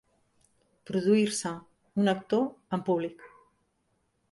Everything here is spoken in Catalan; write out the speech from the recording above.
Produir-se, un actor, en públic.